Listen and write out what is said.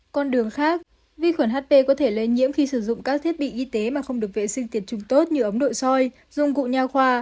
con đường khác vi khuẩn hp có thể lây nhiễm khi sử dụng các thiết bị y tế mà không được vệ sinh tiệt trùng tốt như ống nội soi dụng cụ nhà khoa